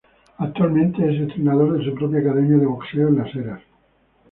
Actualmente, es entrenador de su propia academia de boxeo en Las Heras.